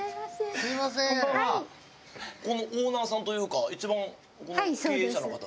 ここのオーナーさんというか一番経営者の方ですか？